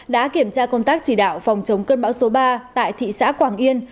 đã kiểm tra công tác chỉ đạo phòng chống cơn bão số ba tại thị xã quảng yên